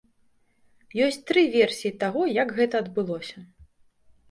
Ёсць тры версіі таго, як гэта адбылося.